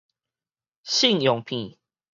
信用片